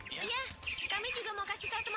iya kami juga mau kasih tau teman